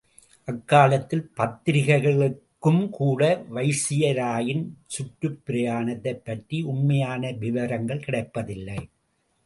அக்காலத்தில் பத்திரிகைகளுக்கும்கூட வைசிராயின் சுற்றுப் பிரயானத்தைப் பற்றி உண்மையான விவரங்கள் கிடைப்பதில்லை.